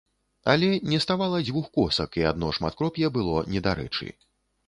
Але не ставала дзвюх косак і адно шматкроп'е было недарэчы.